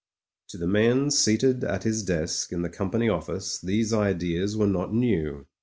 ... To the man seated at his desk in the company office these ideas were not new.